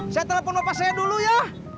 saya telepon bapak saya dulu ya